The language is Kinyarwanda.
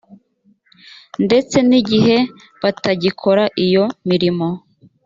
ndetse n igihe batagikora iyo mirimo